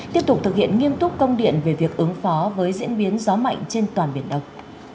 tiếp tục thực hiện nghiêm túc công điện về việc ứng phó với diễn biến gió mạnh trên toàn biển đông